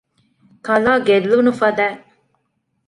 ކަލާ ގެއްލުނު ފަދައިން